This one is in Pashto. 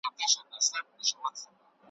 په هفتو کي یې آرام نه وو لیدلی ,